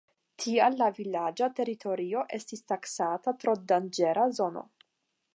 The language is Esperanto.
Tial, la vilaĝa teritorio estis taksata tro danĝera zono.